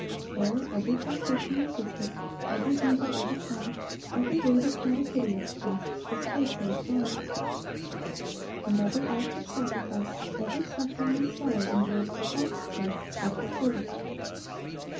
There every temptation resisted, every evil overcome, every word of tender pity expressed, is faithfully chronicled. And every act of sacrifice, every suffering and sorrow endured for Christ's sake, is recorded.